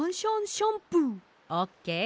オッケー。